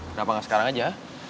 kenapa gak sekarang saja